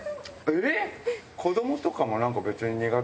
えっ！？